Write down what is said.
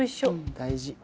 大事。